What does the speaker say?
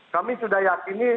kami sudah yakini